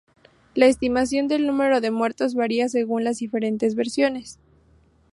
La estimación del número de muertos varía según las diferentes versiones.